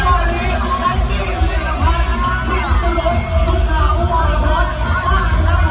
แบล็คกี้มิลภัณฑ์มิดสลุทธ์สุดหลาววาระพรว่างกับน้ำห่วง